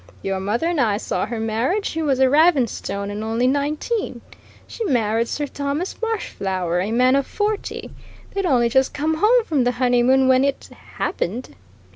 Your mother and I saw her married she was a Ravenstone, and only nineteen. She married Sir Thomas Marshflower, a man of forty. They'd only just come home from the honeymoon when it happened.